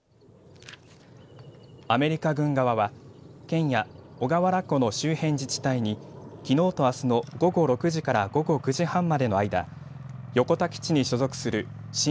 アメリカ軍側は県や小川原湖の周辺自治体にきのうとあすの午後６時から午後９時半までの間横田基地に所属するＣＶ‐２２